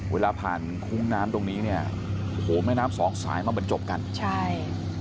เวลาผ่านคุ้งน้ำตรงนี้เนี่ยโอ้โหแม่น้ำสองสายมาบรรจบกันใช่